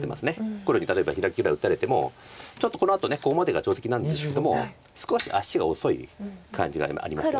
黒に例えばヒラキぐらい打たれてもちょっとこのあとここまでが定石なんですけども少し足が遅い感じがありますよね。